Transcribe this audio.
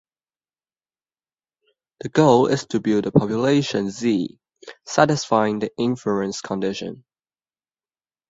The goal is to build a "population" "Z" satisfying the inference condition.